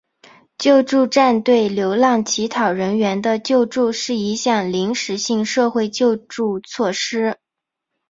救助站对流浪乞讨人员的救助是一项临时性社会救助措施。